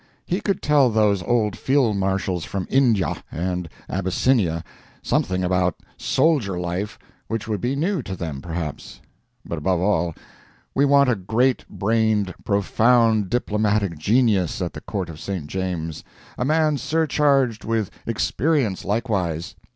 He could tell those old field marshals from India and Abyssinia something about soldier life which would be new to them, perhaps. But above all, we want a great brained, profound diplomatic genius at the Court of St. James's—a man surcharged with experience likewise.